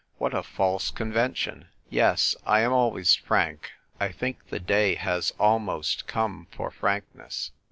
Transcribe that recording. What a false convention ! Yes, I am always frank ; I think the day has almost come for frankness.